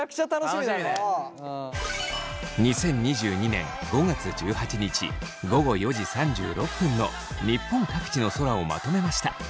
２０２２年５月１８日午後４時３６分の日本各地の空をまとめました。